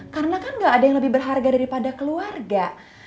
karena kan gak ada yang lebih berharga daripada keluarga